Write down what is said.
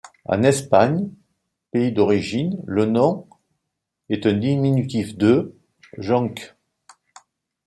En Espagne, pays d'origine, le nom ' est un diminutif de ', jonc.